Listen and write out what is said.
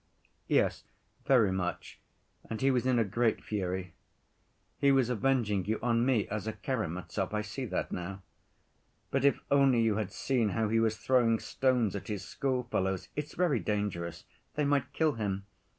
"Yes, very much, and he was in a great fury. He was avenging you on me as a Karamazov, I see that now. But if only you had seen how he was throwing stones at his school‐fellows! It's very dangerous. They might kill him.